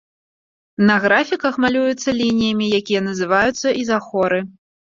На графіках малюецца лініямі, якія называюцца ізахоры.